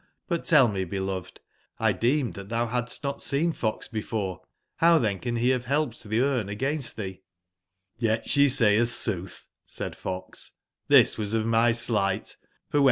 But tell me, beloved, ! deemed that thou hadst not seen fox before ; how then can he have helped the Cm e agam s t thee ?" j^ '' ^ctehc sayeth sooth," said fox,'' this was of my sleight: for when